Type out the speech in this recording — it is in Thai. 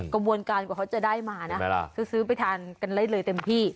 กระบวนการกว่าเขาจะได้มานะซื้อไปทานกันได้เลยเต็มที่